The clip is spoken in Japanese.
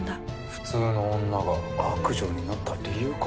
普通の女が悪女になった理由か。